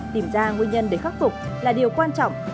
tìm ra nguyên nhân để khắc phục là điều quan trọng